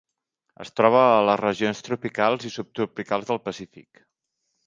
Es troba a les regions tropicals i subtropicals del Pacífic.